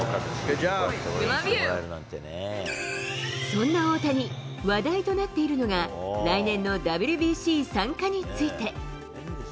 そんな大谷、話題となっているのが、来年のＷＢＣ参加について。